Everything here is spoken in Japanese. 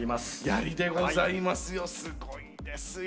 ヤリでございますよすごいですよ。